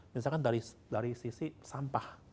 misalkan dari sisi sampah